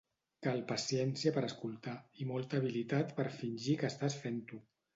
Cal paciència per escoltar, i molta habilitat per fingir que estàs fent-ho.